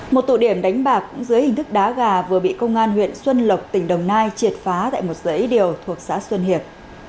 một tụ điểm đánh bạc dưới hình thức đá gà vừa bị công an huyện xuân lộc tỉnh đồng nai triệt phá tại một dãy điều thuộc xã xuân hiệp